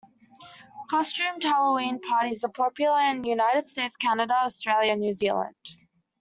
Costumed Halloween parties are popular in the United States, Canada, Australia, and New Zealand.